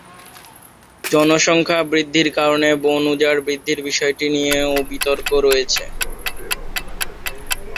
জনসংখ্যা বৃদ্ধির কারণে বন উজাড় বৃদ্ধির বিষয়টি নিয়েও বিতর্ক রয়েছে।